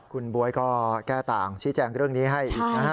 เกี่ยต่างชี้แจงเรื่องนี้ให้